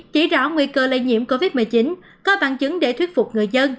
chỉ rõ nguy cơ lây nhiễm covid một mươi chín có bằng chứng để thuyết phục người dân